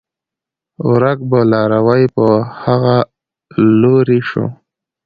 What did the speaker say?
ورک به لاروی په هغه لوري شو